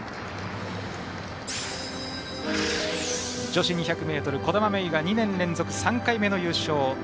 女子２００ｍ兒玉芽生が２年連続３回目の優勝。